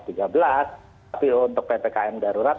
tapi untuk ppkm darurat